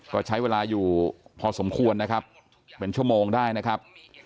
ก็ใช้เวลาอยู่พอสมควรนะครับเป็นชั่วโมงได้นะครับ